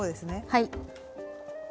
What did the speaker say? はい。